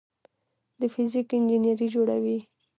د فزیک انجینري جوړوي.